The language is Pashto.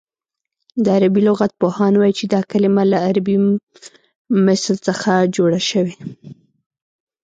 د عربي لغت پوهان وايي چې دا کلمه له عربي مثل څخه جوړه شوې